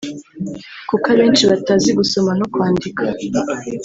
kuko abenshi batazi gusoma no kwandika